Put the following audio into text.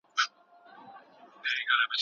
څنګه حضوري ټولګي د ګډو بحثونو فرصت برابروي؟